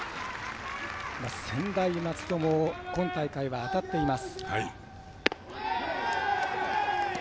専大松戸も今大会は当たっています。